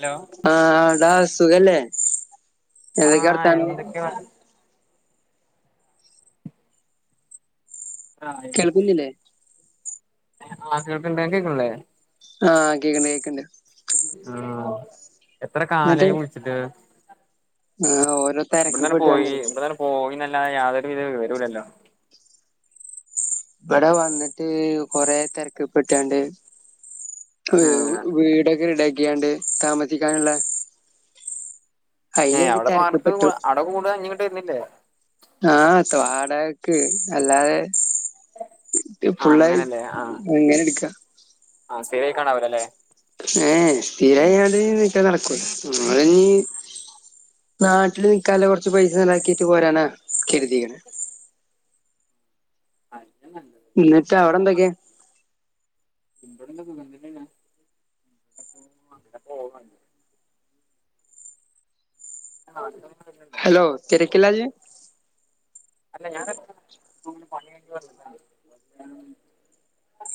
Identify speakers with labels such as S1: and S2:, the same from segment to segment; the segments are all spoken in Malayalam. S1: ഹലോ
S2: ആഹ് ടാ സുഖല്ലേ?
S1: ആ
S2: എന്തൊക്കെ വർത്താനം
S1: എന്തൊക്കെണ് ആയി
S2: കേൾക്കുന്നില്ലേ
S1: ആ കേക്കിണ്ട് ഇങ്ങക്ക് കേക്ക്ണ് ഇ ല്ലേ [unintelligible]
S2: ആഹ കേൾക്കണ്ട് കേക്കണ്ട്
S1: ആ എത്ര
S2: എന്നിട്ട്
S1: കാലായി വിളിച്ചിട്ട്?
S2: ആഹ് ഓരോ
S1: ഇവിടന്നെ പോയി
S2: തിരക്ക്പ്പെട്ടാണ്ട്
S1: ഇവിടെന്നന്നെ പോയ് അ യാതൊരു വിധ വിവരില്ലല്ലോ?
S2: ഇവിടെ വന്നിട്ട് കൊറെ തിരക്കപ്പെെട്ടണ്ട്
S1: ആഹ്
S2: വീടൊക്കെ റെഡിയാക്യാണ്ട് താമസിക്കാനുള്ള-
S1: ഏയ്
S2: അയിനൊരു
S1: അവിടെ പാർത്ത്
S2: തിരക്ക്പ്പെട്ടു
S1: അവിടെ കൂട ഇനിങ്ങോട് വരുന്നില്ലേ
S2: ആഹ് താടക്ക് അല്ലാതെ [inaudible]
S1: ആഹ്
S2: ഫുള്ളായി
S1: അങ്ങനല്ലേ ആഹ്
S2: എങ്ങനെ എടുക്ക?
S1: ആഹ് സേവക്കണാവരല്ലേ?
S2: ഏ തീരായി ഞട് നിക്ക നടക്കൂ നമ്മള [unintelligible] നാട്ടില് നിക്കാലെ കുറച്ച് പൈസ നിലാക്കിട്ട് പോരാനാ കരുതിക്കണ്
S1: [unintelligible]
S2: എന്നിട്ട് അവിടെ എന്തൊക്കെയാ?
S1: [unintelligible] ആ [unintelligible]
S2: ഹലോ തെരക്കിലാ നി?
S1: അല്ല ഞൻ [unintelligible]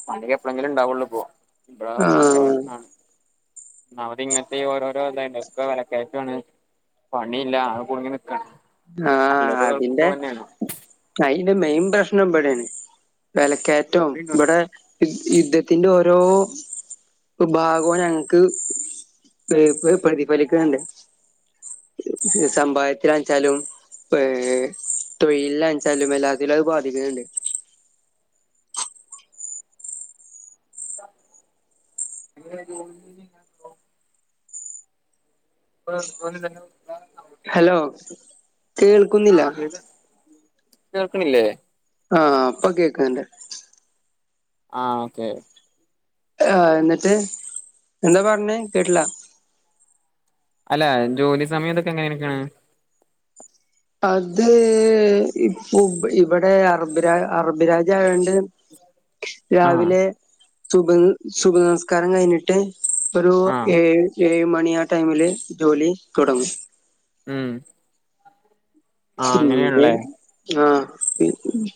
S1: പണി എപ്പഴെങ്കിലും ഇണ്ടാവുള്ളൂ പോ ഇ ഭയങ്കര
S2: ആഹ്
S1: പ്രശ്നാണ് അത് ഇങ്ങനത്തെ ഓരോരോ [unintelligible] ഒക്കെ വിലക്കയട്ടാണ് പണിയില്ല അ കുടുങ്ങി നിൽക്കേണ്
S2: ആഹ അതിന്റെ അതിന്റെ മെയിൻ പ്രശ്നം എപടെയാണ് വില കയറ്റവും ഇവിടെ യുദ്ധത്തിന്റെ ഓരോ വിഭാഗവും ഞങ്ങക്ക് [unintelligible] പ്രതിഫലിക്കുന്നുണ്ട് [inaudible] സമ്പായത്തിലായ് ച്ചാലും ഏ തൊഴിലണച്ചാലും എല്ലാത്തിലും അത് ബാധിക്കുന്നുണ്ട് [unintelligible]
S1: [unintelligible] [unintelligible]
S2: ഹലോ
S1: ആഹ് കേക്ക് കേൾക്കണില്ലേ
S2: ആഹ അപ്പൊ കേക്കണ്ട്
S1: ആഹ ഓക്കെ
S2: ആ എന്നിട്ട് എന്താ പറഞ്ഞേ കേട്ടില്ല
S1: അല്ല ജോലി സമയതൊക്കെ എങ്ങനെയൊക്കെയാണ്
S2: അത് ഇപ്പ ഇവിടെ അറബിരാ് അറബിരാജ്യയോണ്ട്
S1: ആഹ്
S2: രാവിലെ സുബ്ഹ് സുബ്ഹ് നിസ്കാരം കഴിഞ്ഞിട്ട് ഒരു
S1: ആഹ്
S2: ഏഴ് ഏഴ് മണിയ ആ ടൈമില് ജോലി തുടങ്ങും.
S1: ഉം ആഹ്
S2: ഉം
S1: അങ്ങനെയാണല്ലേ
S2: ആഹ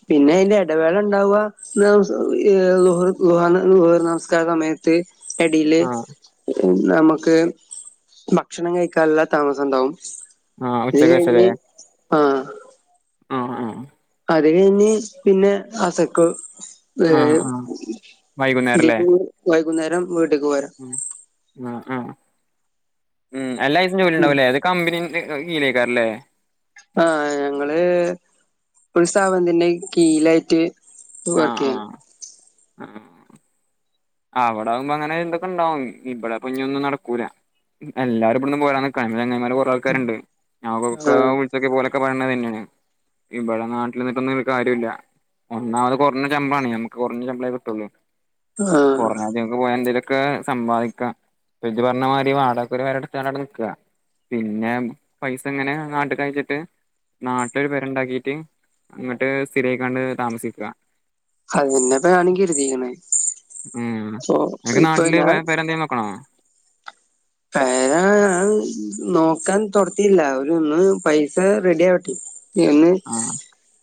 S2: പിന്നെ അതിന്റെ ഇടവേള ഉണ്ടാവുക [unintelligible] നിസ്കാര സമയത്ത് ഇടേൽ
S1: ആഹ്
S2: നമുക്ക് ഭക്ഷണം കഴിക്കാനുള്ള താമസം ഉണ്ടാവും.
S1: ആഹ ഉച്ചക് ശേഷമല്ലേ
S2: ആ..
S1: ആ ആ..
S2: അത് കഴിഞ്ഞ് പിന്നെ അസക്കൊ..
S1: ആഹ് ആഹ്
S2: [unintelligible]
S1: വൈകുന്നേരല്ലേ
S2: ഇതിയ്ക്കു... [unintelligible] വൈകുന്നേരം വീട്ടേക്ക് പോരാം...
S1: ആ
S2: ആഹ് ഞങ്ങള് ഒരു സ്ഥപനത്തിന്നെ കിയിൽലായിട്ട്..
S1: ആ ആ ആ... അവിടെ ആകുമ്പോ അങ്ങനെ ഇ ന്തൊക്കെ ഇണ്ടാവും ഇവിടെപ്പൊ ഇഞ്ഞൊന്നും നടക്കൂല... എല്ലാരും ഇവിടന്ന് പോരാനിക്കാണ് ചെങ്ങയിമാര് കുറെ ആൾാക്കാരുണ്ട് ഞാൻ അവർകൊക്കെ വിളിച്ചോ കിയപ്പം ഓലെ ക്കെ... [unintelligible] തന്നെയാണ് ഇവിടെ നാട്ടിൽ നിന്നിട്ടൊന്നും ഒരു കാര്യംല്ലാ... ഒന്നാമത് കുറഞ്ഞ ശമ്പളണ് ഞമ്മക്ക് കുറഞ്ഞ ശമ്പളെ കിട്ടുള്ളൂ..
S2: ആഹ് ആഹ്
S1: [unintelligible] ഒക്കെ സമ്പാദിക്കാം ഇഞ്ച് പറഞ്ഞ മാരി വാടകക്കൊരു പെരട്ത്ത് കാണ്ട് അവിടെ നിക്കാ പിന്നെ പൈസ ഇങ്ങനെ നാട്ട് കയച്ച്ട്ട് നാട്ടിലൊരു പേരണ്ടാക്കീട്ട് അങ്ങട്ട് സ്ഥിരയ്ക്കാണ്ട് താമസിക്കാ
S2: അതെന്നെ ഇപ്പൊ ഞാനും കെര്തീക്ക്ണെ
S1: ഉം എണക്ക് നാട്ടില് വേറെ പേരെന്തെകിലും നോക്കണോ
S2: പേരാ അത് നോക്കാൻ തൊടതീട്ടില്ല ഒരു ഒന്ന് പൈസ റെഡി ആവട്ടെ ഒന്ന്
S1: ആഹ്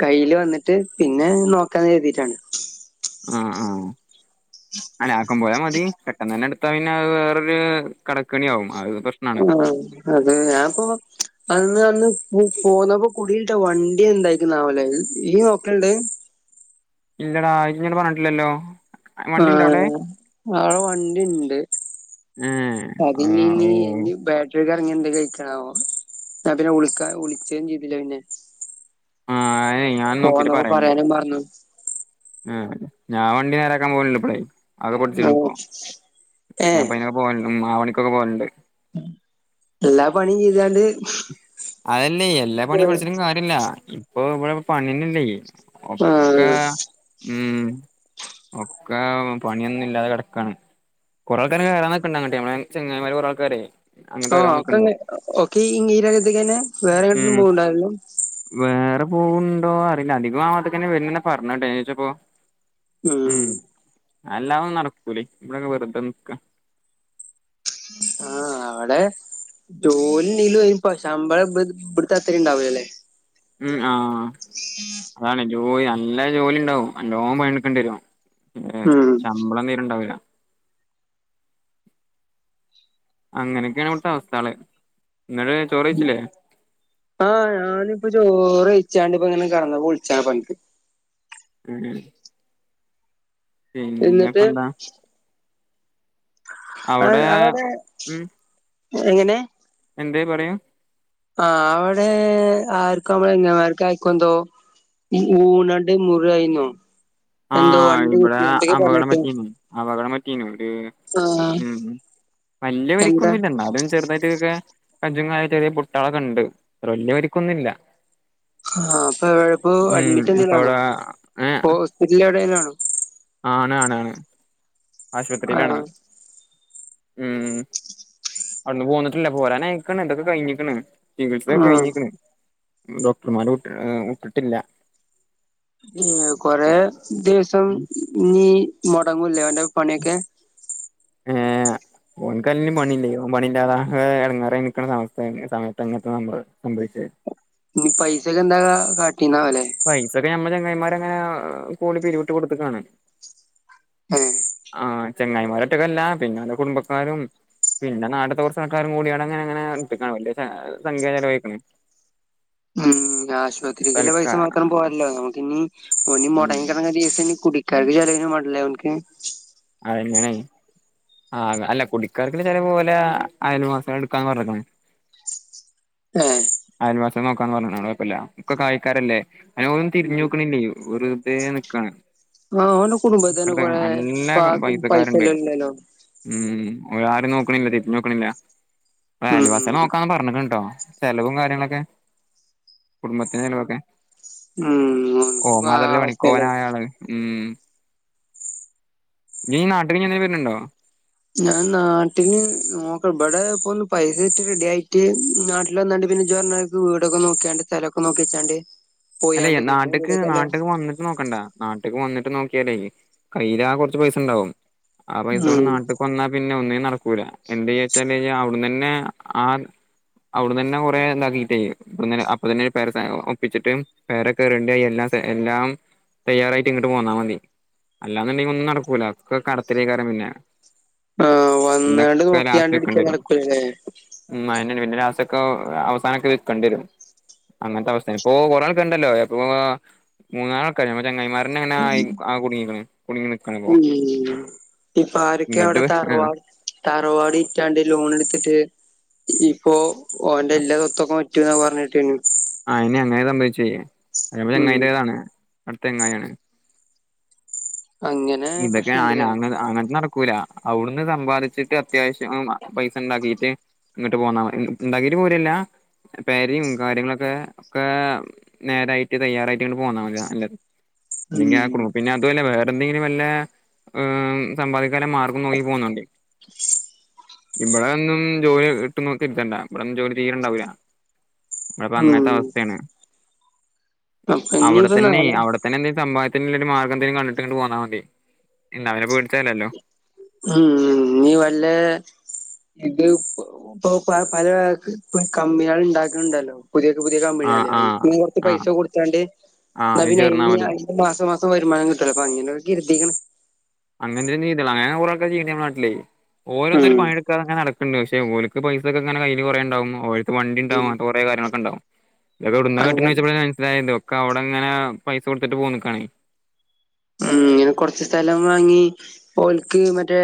S2: കയ്യിൽ വന്നിട്ട് പിന്നെ നോക്കാന്ന് കെര്തീട്ടാണ്
S1: ആ ആഹ അല്ല ആക്കം പോലെ മതി പെട്ടന്ന് ഇപ്പ അയ്നത് വേറെ എന്തിയേലും കടക്കെണിയാവും പ്രശ്നാണ്
S2: ആ അത് ഞാപ്പോ അന്ന് അന്ന് പോന്നപ്പോ കുടീലിട്ട വണ്ടി എന്തായിരിക്കുന്നാവോലെ ഈയ് നോക്കല്ണ്ടോ അത്
S1: ഇല്ലടാ അത് ഇന്നോട് പറഞ്ഞിട്ടില്ലല്ലോ വണ്ടി ഉണ്ടോ
S2: ആഹ
S1: അവിടെ
S2: അവടേ വണ്ടിണ്ട്
S1: ഏ
S2: അത്
S1: ആ
S2: ഞ്ഞി ഞ്ഞി
S1: ഓ
S2: ഞ്ഞി ബാട്ടറിയാ അത് ഇനി എന്തെങ്കിലും ആയികാണാവ ഞാൻ പിന്നെ വിളികാൻ വിളിച്ചും ചെയ്തില്ല പിന്നെ
S1: ആഹ അതെയ്‌ ഞാൻ നോക്കീട്ട്
S2: പോന്നപ്പോ
S1: പറയണ്ട്
S2: പറയാനും മറന്നു
S1: ഉം ഞാൻ വണ്ടി നേരാക്കാൻ പോണ്ട്പ്പളയ്‌ അത് പൊട്ച്ച്ക്ക്ണ് ഇപ്പൊ
S2: ഏ
S1: ഞാൻ ഇപ്പൊഅയ്നൊക്കെ പോവല്ണ്ട് ഉം ആ പണിക്കൊക്കെ പോവല്ണ്ട്
S2: എല്ലാ പണിം [unintelligible]
S1: അതല്ലേയ് എല്ലാ പണി പഠിച്ചിട്ടും കാര്യല്ലാ ഇപ്പൊ ഇബടെ പണിന്നെല്ലേയ്
S2: ആ
S1: ഒക്കെ ഉം ഒക്കെ പണിയൊന്നും ഇല്ലാതെ കിടക്കാണ് കുറൾക്കാര് കയറാൻ നിക്ക്ണ്ട് അങ്ങട്ട് ചങ്ങയ്മാര് കൊറേആള്ക്കാരെയ്‌
S2: ആഹ ഒക്കെ ഒക്കെ ഈ രംഗത്ത്ക്കന്നെ വേറെ എങ്ങട്ടെങ്കിലും പോവിണ്ടോ ആരേലും
S1: പോവ്‌ണ്ടോ അറില്ല അധികം ആ ഭാഗത്ത്‌ കെന്നെ വരുന്നത് എന്നാ പറഞ്ഞെ [unintelligible]
S2: ഉം
S1: അല്ലാതെ ഒന്നും നടക്കൂലെയ്‌ ഇബടെക്കെ വെറുതെ നിക്കാ
S2: അവടെ ജോലിഇല്ലെങ്കിലും ഒല്ക്ക് ശമ്പളം ഇബ്ട്ത്തെ അത്തരീം ഇണ്ടാവൂലലെ
S1: ഉം ആഹ് അതാണ് ജോലി നല്ല ജോലി ഉണ്ടാവും നല്ലോം പണി ഇട്ക്കെണ്ടിഎരും ഉം ശമ്പളം തീരെണ്ടാവൂലാ അങ്ങനെയൊക്കെയാണ് ഇവിടുത്തെ അവസ്ഥകള് ഇങ്ങൾ ചോറ് വൈച്ചില്ലേ
S2: ആഹ് ഞാനിപ്പ ചോറ്യ്‌ച്ചാണ്ട് ഇപ്പാ ഇങ്ങനെ കിടന്നപ്പം വിളിച്ചതാണ് ഇപ്പനക്
S1: ഉം ഉം
S2: എന്നിട്ട്
S1: പിന്നെപ്പെന്താ
S2: ആ
S1: അവിടെ
S2: അവടെ
S1: ഉം
S2: എങ്ങനെ
S1: എന്തേ പറയൂ
S2: ആ അവിടെ ആർക്കോ അമ്മളെങ്ങായിമാർക് ആർക്കെന്തോ ഊണാണ്ട് മുറിയായിന്നൊ
S1: ആഹ ഇബടെ അപകടം പറ്റീന്നു അപകട [unintelligible] ഉം
S2: ആ
S1: ഉം ഉം വലിയ
S2: എന്താ
S1: പരിക്കൊന്നുല്ല ന്നാലും ചെറുതായിട്ട്ക്കൊക്കെ കഞ്ചുംകാലൊക്കായിട്ട് ചെറിയ പൊട്ടുകളൊക്കെണ്ട് വല്യ പരിക്കൊന്നുല്ല
S2: ആ ഇപ്പെവടെ ഇപ്പൊ
S1: ഉം
S2: അഡ്മിറ്റ്
S1: ഇപ്പ
S2: എന്തെലാണോ
S1: ഇവിടെ ഏ
S2: ഹോസ്പിറ്റല് എവിടെലാണോ
S1: ആണ് ആണ് ആണ് ആശുപത്രിയിലാണ്
S2: ആ
S1: ഉം അവ്ട്ന് പോന്നിട്ടില്ല പോരാനായ്‌ക്ക്ണ് ഇതൊക്കെ കഴിഞ്ഞിക്ക്ണ് ചികിസയൊക്കെ
S2: ആ
S1: കഴിഞ്ക്ക്ണ് ഡോക്ടർമാര് വിട്ട് ഉം വിട്ടിട്ടില്ല
S2: [unintelligible] കൊറേ ദിവസം ഞീ മൊടങ്ങുല്ലെ ഓന്റെ പണിയൊക്കെ.
S1: ഓൻകല്ലേല്ലും പണില്ലേ ഓ പണില്ലാതാ [unintelligible] എടെങ്ങാറായി നിക്കണസമയത്ത് സമയത്തങ്ങനത്തെ [unintelligible] [inaudible]
S2: ഇനി പൈസൊക്കെ എന്താ കാ [unintelligible]
S1: പൈസൊക്കെ ഞമ്മ ചെങ്ങയമാരങ്ങനെ കൂടി പിരിവിട്ട് കൊടുത്ത്ക്കാണ്.
S2: ഉം.
S1: ആ ചെങ്ങായിമാരൊറ്റക്കല്ല പിന്നെ ഓരെ കുടുംബക്കാരും. പിന്നെ നാട്ടത്തെ കുറച്ച് ആൾക്കാരും കൂടിയങ്ങനെങ്ങനെ [unintelligible] വലിയ സംഖ്യ ചെലവായിക്ക്ണ്.
S2: ഉം. ഉം
S1: തൽക്കാ
S2: ആശുപത്രിക്കിള്ളപൈസമാത്രം പോരല്ലോ നമുകിനി ഓൻ
S1: ഉം
S2: മൊടങ്ങിക്കിടങ്ങ ദിവസം [unintelligible] [unintelligible] ചെലവിനും മാണ്ടേ ലേ ഓൻക്ക്.
S1: അത്ങ്ങനായ്. ആഹ് അല്ല കുടിക്കാർക്ക്ള്ള ചെലവ് ഓലെ അയൽവാസ്യേൾ എടുക്കാന്ന് പറഞ്ഞക്ണ്.
S2: ഏഹ്
S1: നോക്കാന്ന് പറഞ്ഞക്ക്ണ് അത് കൊയപ്പല്ല [unintelligible] കായിക്കാരല്ലേ അയിനൊരൊന്നും തിരിഞ്ഞു നോക്കണില്ലേ വെറുതേനിക്കാണ്.
S2: ആ ഓന്റെകുടുംബത്തിന് കൊറേ
S1: പൈസക്കാര്ണ്ട്
S2: പ്പാർക്കുംപൈസഇല്ലോല്ലലോ.
S1: ഉം ഒരാരും നോക്കണില്ല തിരിഞ്ഞോക്കണ്ണില്യ, ഓരയൽവാസിയേള്
S2: ഉം
S1: നോക്കാന്ന് പറഞ്ഞിക്ക്ണട്ടോ. ചെലവും കാര്യങ്ങളൊക്കെ. കുടുംബത്തിലെ ചെലവൊക്കെ
S2: ഉം ഓൻക്ക്
S1: [unintelligible] ഉം
S2: പാവപ്പല്ലേ
S1: നീ നാട്ടിക്കിനി എന്നേലും വെരിണ് ണ്ടോ?
S2: ഞാൻ നാട്ടില് നോക്ക് ഇബടെ ഇപ്പ ഒന്ന് പൈസട്ട് റെഡി ആയിട്ട് നാട്ടിൽ വന്നാണ്ട്. പിന്നെ ഇജിപറഞ്ഞോല്ലെ വീടൊക്കെ നോക്ക്യാണ്ട് സ്ഥലൊക്കെ നോക്കിവെച്ചാണ്ട്.
S1: അല്ലേ നാട്ടക്ക് നാട്ടക്ക് വന്നിട്ട് നോക്കണ്ടാ, നാട്ടിക്ക് വന്നി ട്ട് നോക്ക്യലേ കയിലാകെ കൊറച്പൈസണ്ടാവും ആ പയ്സോണ്ട്
S2: ഉം
S1: നാട്ട്ക്ക് വന്നാ പിന്നെ ഒന്നിനും. നടക്കൂല എന്തേയച്ചാല് അവിടന്നന്നെ ആ അവിടന്നെ കൊറെ ഇതാക്കിട്ടേ [unintelligible] അപ്പൊ തന്നെ [unintelligible] ഒപ്പിച്ചിട്ട് പെര കേറണ്ട്യ എല്ലാ സെ എല്ലാം തയ്യാറായിട്ട് ഇങ്ങോട്ട് പോന്നാ മതി. അല്ലാന്ന്ണ്ടെങ്കിൽ ഒന്നും നടക്കൂല ഒക്കെ കടത്തിലേക്കാരം പിന്നെ.
S2: ആഹ് വന്നാണ്ട്
S1: പിന്നക്കെ
S2: നോക്കിയാണ്ട് ഇട്ക്കല്
S1: ലാസ്റ്റെക്കണ്ടെരും
S2: നടക്കൂലല്ലേ
S1: മ്മാ പിന്നെ ലാസ്റ്റൊക്കെ അവസാനൊക്കെൽക്കണ്ട്യരും അങ്ങനത്തെ അവസ്ഥേണ് ഇപ്പൊ [unintelligible] ക്കണ്ടല്ലോ അപ്പോ മൂന്നാളൊക്കെ ഞമ്മ ചങ്ങായ്മാരങ്ങനെനായി ആകെ കുടുങ്ങിക്കുണു.
S2: ഉം ഇപ്പ ആരൊക്കെ
S1: ഇങ്ങട്ട്
S2: അവിടെ
S1: ആഹ്
S2: തറവാ തറവാടി വിറ്റാണ്ട് ലോൺ എടുത്തിട്ട്. ഇപ്പോ ഓന്റെ എല്ലാ സൊത്തൊക്കെ വിറ്റുന്നാ പറഞെട്ടിനെ.
S1: ആ ഇനി അങ്ങന സംഭവിച്ചെ അയമ്മെ
S2: ഉം
S1: ചെങ്ങായിന്റെണ്. അടുത്തങ്ങയാണ്
S2: അങ്ങനെ
S1: ഇതൊക്കെ അങ്ങനെ
S2: പ്രശ്നണ്ട്ല്ലേ
S1: അ അങ്ങന നടക്കൂല. അവിടുന്ന് സമ്പാദിച്ചിട്ട് അത്യാവശ്യം പൈസ ണ്ടാക്കിട്ട് ഇങ്ങോട്ട് പോന്നാമതി ഇണ്ടാക്കിട്ട് പോരല്ല പെര്യും കാര്യങ്ങളൊക്കെ. ക്ക ഒക്കെ നേരായിട്ട് തയ്യാറായിട്ട്ങ്ട്ട് ഇങ്ങട്ട് പോന്നാണല് നല്ലത്
S2: ഉം
S1: നിങ്ങ ആ ഗ്രൂപ്പിനതുവല്ല [unintelligible] വിടെ എന്തെങ്കിലും വല്ല ഉം സമ്പാദിക്കാന് മാർഗം നോക്കി പോന്നുണ്ട് ഇവ്ടെ ഒന്നും ജോലി ഇട്ട് നോക്കി ഇരുത്തണ്ട, ഇവിടെന്നും ജോലി തീരണ്ടാവൂല്ല. ഇപ്പ അങ്ങൻത്തെ
S2: ഉം
S1: അവസ്ഥേണ്
S2: അപ്പൊ
S1: അവിടെ
S2: ഇനിയിപ്പ
S1: തന്നേ
S2: നാളെ
S1: അവിടെത്തന്നെ എന്തേം സംബാ [unintelligible] മാർഗ ന്തേലും കണ്ടിട്ട്ങ്ങ്ട്ട് പോന്നാ മതി എന്നാ പിന്നെ പേടിച്ചാലല്ലോ.
S2: ഉം നീ വല്ല ഇത് ഇപ്പ്പ്പൊ പ് പല ക് കമ്മികൾ ഇണ്ടാക്ക്ണ്ടല്ലോ പുതിയൊക്കെ പുതിയ
S1: ആ
S2: കമ്പനിയല്ലേ
S1: ആ
S2: ഇപ്പും കൊറച്ച്
S1: ആ
S2: പൈസ കൊടുത്താണ്ട്
S1: ആ
S2: ന്നാ
S1: അയില്
S2: പിന്നെ
S1: ചേർന്നാ
S2: അയ്ന്
S1: മതി
S2: അടുത്ത മാസം മാസം വരുമാനം കിട്ട്യുല്ലൊ അപ്പ അങ്ങനൊ കരുതിക്കണ്
S1: അങ്ങനത്തെന്നെ [unintelligible] അങ്ങനെ കൊറെ ആള്ക്കാര് ചെയ്യ്ണ്ട് മ്മളെ നാട്ടില്, ഓരോന്നും
S2: ഉം
S1: പണിയെടുക്കാെ ങ്ങനെ നടക്കും ണ്ട് പക്ഷെഓലക്ക് പൈസൊക്കെങ്ങനെ കയ്യി ല് ഉണ്ടാവും ഓലക് വണ്ടി ഇണ്ടാവും അങ്ങനെ കുറേ കാര്യങ്ങളൊക്കെണ്ടാവും ഇത ഇടുന്ന കെട്ട
S2: അങ്ങനെ
S1: വെച്ചപ്പോള മനസ്സിലായത് ഒക്കെ അവിടെങ്ങനെ പൈസ കൊടുത്തിട്ട് പോന്നക്ക്‌ണെ
S2: ഉം ഇങ്ങനെ കൊറച്ച് സ്ഥലം വാങ്ങി ഓൽക്ക് മറ്റേ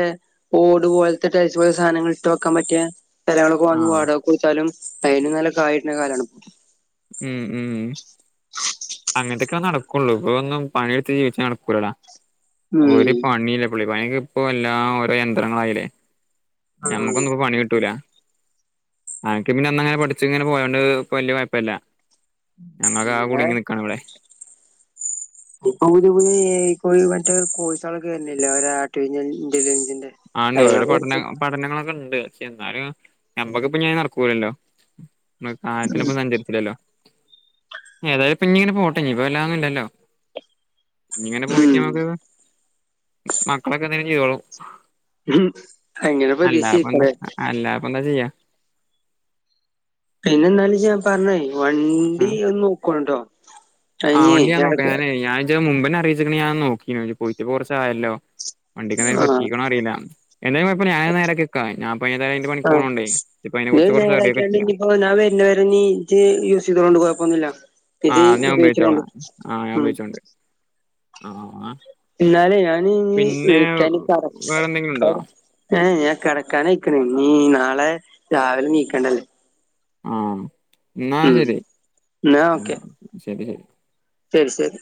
S2: ഓട് പോലത്തെ പോലെ സാധനങ്ങൾ ഇട്ടോ വിക്കാൻ പറ്റിയ സ്ഥലങ്ങളൊക്കെ
S1: ആ
S2: വാങ്ങി വാടകക്ക്‌ കൊടുത്താലും അയിന് നല്ല കായി ടുന്ന കാലാണ്
S1: ഉം ഉം അങ്ങനത്തൊക്കെ നടക്കുള്ളൂ ഇപ്പ ഒന്നും പണിയെടുത്ത് ജീവിചാ നടക്കൂലടാ
S2: ഉം
S1: ഒരു പണില്ല പുള്ളി പണിക്ക് ഇപ്പോ എല്ലാ ഓരോ യന്ത്രങ്ങളായില്ലേ
S2: ഉം
S1: ഞമ്മക്കൊന്നുംപ്പോ പണി കിട്ടൂല അനക്ക് പിന്നെ അന്നങ്ങനെ പഠിച്ച് ഇങ്ങനെ പോയണ്ട് വല്യ കുഴപ്പല്യ ഞങ്ങളൊക്കെ ആകെ
S2: അങ്ങനെ
S1: കുടുങ്ങി നിക്കാണ് ഇവിടെ
S2: ഇപ്പൊ പുതിയ പുതിയ മറ്റേ കോഴസകളൊക്കെവരുന്നില്ലേ ആർട്ടിഫിഷ്യൽ ഇന്റലിജൻ
S1: ആണ്ട് ഓരോ പഠന പഠനങ്ങളൊക്കെ ഉണ്ട് പക്ഷെ എന്നാലും ഞമ്മക്കിപ്പ ഞാൻ നടക്ക്കു ലല്ലോ നമ്മള് കാര്യത്തിനൊപ്പം സഞ്ചരിച്ചില്ലല്ലോ ഏതായാലും പിന്ന ഇങ്ങനെ പോട്ടെ ഇപ്പ വല്ലാന്നുംണ്ടല്ലോ ഇനി ഇങ്ങനെ പോയിട്ട
S2: ഉം
S1: നമുക്ക് മക്കളൊക്കെ എന്തെങ്കും ചെയ്തോളൂ
S2: ഉം അങ്ങനെ
S1: അല്ലാപ്പന്താ
S2: പ്രതീക്ഷിക്കല്ലേ
S1: അല്ലാപ്പ എന്താ ചെയ്യാ
S2: പിന്നെ എന്നാലും ഞാൻ പറഞ്ഞേ
S1: ആ
S2: വണ്ടി ഒന്ന് നോക്കണട്ടോ
S1: ആ വണ്ടി ഞൻ നോക്ക ഞാന് ഞാൻഇജ്ജ് മുമ്പെന്നെ അറിയിച്ചിക് ഞാൻ നോക്കീനെ പോയിട്ട് കുറച്ചായല്ലോ വണ്ടിക്കന്തെങ്കു
S2: ആഹ്
S1: പറ്റിക്കണം അറിയില്ല എന്തേലും കുഴപ്പ ഇല്ല ഞൻ നേരെക്കിവക്കഞാൻ പരംന്റെ പണി പോണണ്ട്
S2: ഇ നേരാക്കിയാണ്ട് ഇനിപ്പോഞാൻ വരുന്നവര നീ ഇജ്ജ് യൂസ് ചെയ്തോണ്ട് കുഴപ്പൊന്നില്ല
S1: ആ ഞാൻ ബിച്ചോളാം ആ ഞാൻ ബീച്ചോളാം ആ പിന്നെ
S2: ഞാനിനിവിളിക്ക [unintelligible]
S1: വേറെന്തെങ്കിലും ഉണ്ടോ
S2: കേട്കനായ്ക്ക്ന്ന് ഇനി നാളെ രാവിലെ ണീക്കണ്ടല്ലേ
S1: ആഎന്നാ ശരി
S2: എന്നാ ഓക്കെ
S1: ഉംശരി
S2: ശരി ശരി